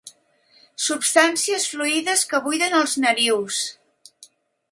Substàncies fluïdes que buiden els narius.